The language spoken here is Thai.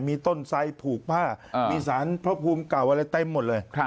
มีต้นไซดผูกผ้ามีสารพระภูมิเก่าอะไรเต็มหมดเลย